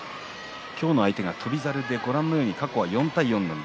今日の相手は翔猿、過去は４対４。